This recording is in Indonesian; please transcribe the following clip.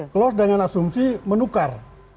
close dengan asumsi menukar